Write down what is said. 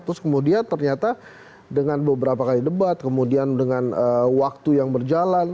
terus kemudian ternyata dengan beberapa kali debat kemudian dengan waktu yang berjalan